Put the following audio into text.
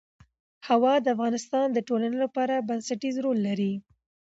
هوا د افغانستان د ټولنې لپاره بنسټيز رول لري.